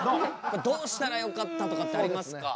どうしたらよかったとかってありますか？